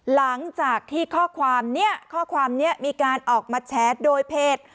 หลังจากที่ข้อความเนี่ยข้อความนี้มีการออกมาแชทโดยเพจ